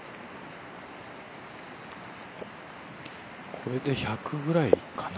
これで１００ぐらいかな。